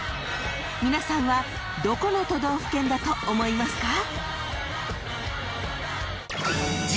［皆さんはどこの都道府県だと思いますか？］